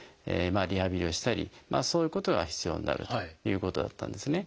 リハビリをしたりそういうことが必要になるということだったんですね。